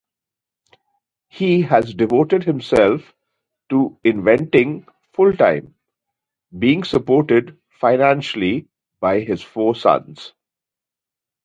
He has devoted himself to inventing full-time, being supported financially by his four sons.